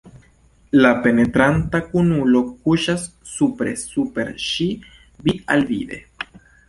La penetranta kunulo kuŝas supre super ŝi, vid-al-vide.